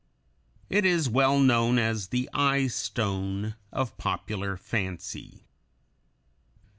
It is well known as the "eye stone" of popular fancy.